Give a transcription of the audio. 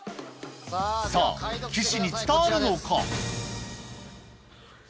さぁ岸に伝わるのか？